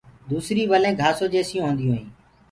دوسري ولينٚ گھاسو جيسونٚ هونديو هينٚ۔